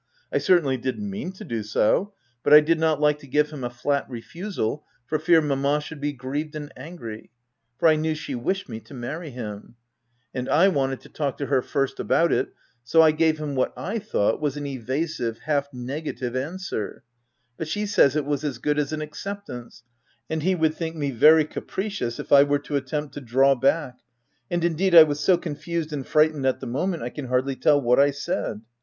I cer tainly didn't mean to do so ; but I did not like to give him a flat refusal for fear mamma should be grieved and angry, (for I knew she wished me to marry him,) and I wanted to talk to her first about it, so I gave him what / thought was an evasive, half negative answer ; but she says it was as good as an acceptance, and he would think me very capricious if I were to attempt to draw back — and indeed, I was so confused and frightened at the moment, I can hardly tell what I said.